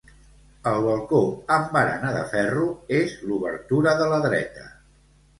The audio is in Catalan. El balcó amb barana de ferro és l'obertura de la dreta.